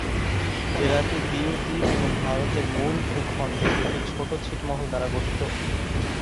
জেলাটি দিউ দ্বীপ এবং ভারতের মূল ভূখণ্ডে দুটি ছোট ছিটমহল দ্বারা গঠিত।